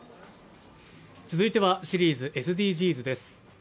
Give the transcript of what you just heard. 続いてはシリーズ「ＳＤＧｓ」です。